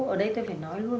ở đây tôi phải nói luôn